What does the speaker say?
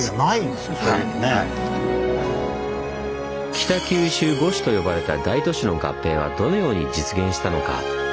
「北九州五市」と呼ばれた大都市の合併はどのように実現したのか？